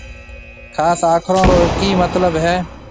خاص آکرون رو ڪِي متلب هيَ۔